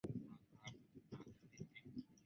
雅塞内。